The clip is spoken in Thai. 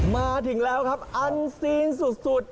มาถึงแล้วครับอันซีนสุด